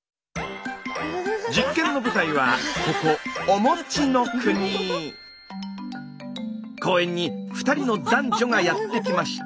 実験の舞台はここ公園に２人の男女がやって来ました。